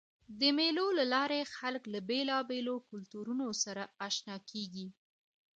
د مېلو له لاري خلک له بېلابېلو کلتورونو سره اشنا کېږي.